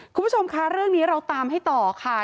คุณผู้ชมคะเรื่องนี้เราตามให้ต่อค่ะ